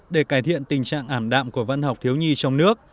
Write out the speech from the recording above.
để cải thiện tình trạng ảm đạm của văn học thiếu nhi trong nước